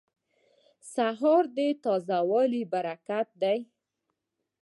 سهار د تازه والي برکت دی.